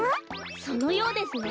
そのようですね。